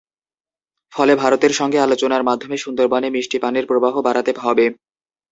ফলে ভারতের সঙ্গে আলোচনার মাধ্যমে সুন্দরবনে মিষ্টি পানির প্রবাহ বাড়াতে হবে।